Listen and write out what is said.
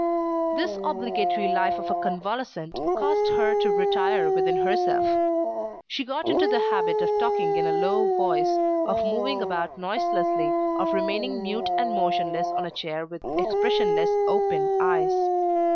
This obligatory life of a convalescent caused her to retire within herself. She got into the habit of talking in a low voice, of moving about noiselessly, of remaining mute and motionless on a chair with expressionless, open eyes.